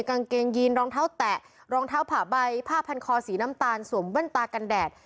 กางเกงยีนรองเท้าแตะรองเท้าผ่าใบผ้าพันคอสีน้ำตาลสวมแว่นตากันแดด